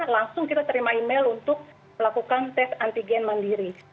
langsung kita terima email untuk melakukan tes antigen mandiri